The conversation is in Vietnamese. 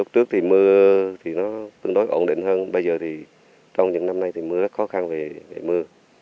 trước thì mưa thì nó tương đối ổn định hơn bây giờ thì trong những năm nay thì mưa rất khó khăn về mưa